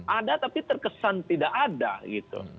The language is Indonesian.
ada tapi terkesan tidak ada gitu